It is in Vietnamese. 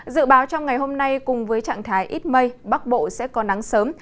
dự báo trong ngày hôm nay cùng với trạng thái ít mây bắc bộ sẽ có nắng sớm